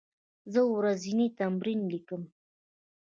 زه ورځنی تمرین لیکم.